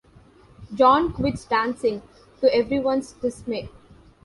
John quits dancing, to everyone's dismay.